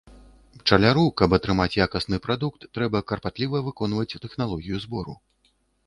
Пчаляру, каб атрымаць якасны прадукт, трэба карпатліва выконваць тэхналогію збору.